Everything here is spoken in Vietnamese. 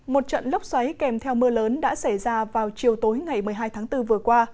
một trận lốc xoáy kèm theo mưa lớn đã xảy ra vào chiều tối ngày một mươi hai tháng bốn vừa qua